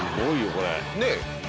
これねっ！